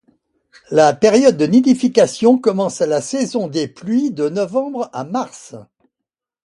La période de nidification commence à la saison des pluies, de novembre à mars.